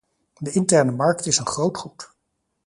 De interne markt is een groot goed.